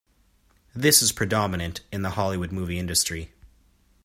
This is predominant in the Hollywood movie industry.